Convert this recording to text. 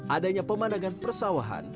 adanya pemandangan persawahan